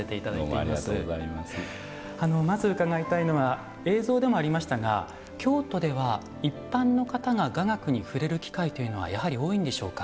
あのまず伺いたいのは映像でもありましたが京都では一般の方が雅楽に触れる機会というのはやはり多いんでしょうか？